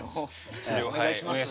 お願いします。